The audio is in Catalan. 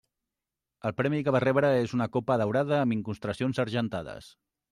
El premi que va rebre és una copa daurada amb incrustacions argentades.